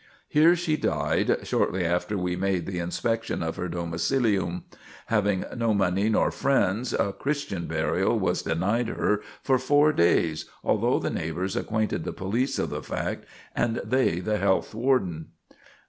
Here she died, shortly after we made the inspection of her domicilium; having no money nor friends, a Christian burial was denied her for four days, although the neighbors acquainted the police of the fact, and they the Health Warden."